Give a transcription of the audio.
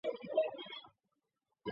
是要不要放过我啊